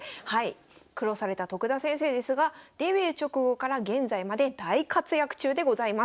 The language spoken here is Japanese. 苦労された徳田先生ですがデビュー直後から現在まで大活躍中でございます。